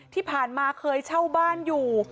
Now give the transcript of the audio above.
ที่ผ่านมาเคยเช่าบ้านอยู่